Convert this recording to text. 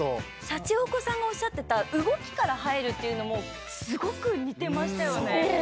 シャチホコさんがおっしゃってた動きから入るっていうのもすごく似てましたよね。